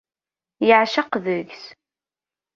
Yeɛceq deg-s.